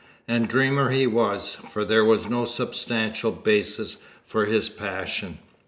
And dreamer he was, for there was no substantial basis for his passion.